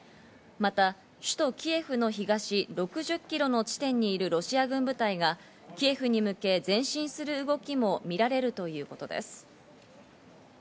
また首都キエフの東６０キロの地点にいるロシア軍部隊がキエフに向け前進する動きもみられるということです。